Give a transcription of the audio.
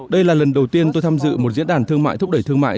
đây là lần đầu tiên tôi tham dự một diễn đàn thương mại thúc đẩy thương mại